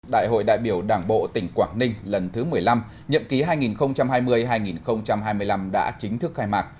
đại hội đại biểu đảng bộ tỉnh quảng ninh lần thứ một mươi năm nhậm ký hai nghìn hai mươi hai nghìn hai mươi năm đã chính thức khai mạc